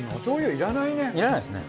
いらないですね。